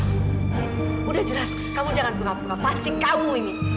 sudah jelas kamu jangan berapura pasti kamu ini